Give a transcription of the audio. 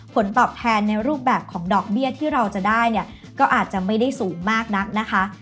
ผลตอบแทนในรูปแบบของดอกเบี้ยที่เราจะได้เนี่ยก็อาจจะไม่ได้สูงมากนักนะคะ